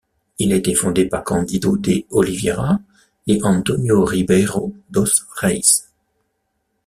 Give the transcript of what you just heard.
Il a été fondé par Cândido de Oliveira et António Ribeiro dos Reis.